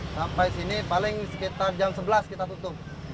sampai sini paling sekitar jam sebelas kita tutup